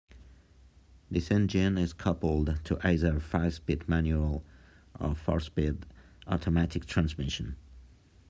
This engine is coupled to either a five-speed manual or four-speed automatic transmission.